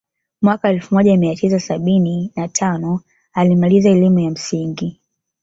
Mwaka elfu moja mia tisa sabini na tano alimaliza elimu ya msingi